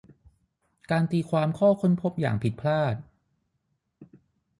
การตีความข้อค้นพบอย่างผิดพลาด